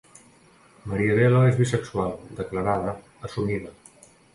Maria Bello és Bisexual declarada, assumida.